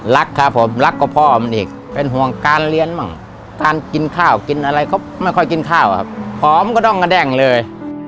รักครับผมรักกว่าพ่อมันอีกเป็นห่วงการเรียนมั่งการกินข้าวกินอะไรก็ไม่ค่อยกินข้าวครับหอมก็ต้องกระแด้งเลย